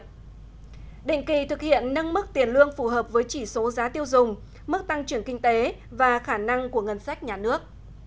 định kỳ thực hiện nâng mức tiền lương phù hợp với chỉ số giá tiêu dùng mức tăng trưởng kinh tế và khả năng của ngân sách nhà nước